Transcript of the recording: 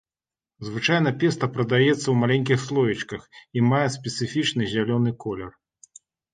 Звычайна песта прадаецца ў маленькіх слоічках і мае спецыфічны зялёны колер.